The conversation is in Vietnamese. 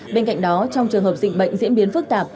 bên cạnh đó trong trường hợp dịch bệnh diễn biến phức tạp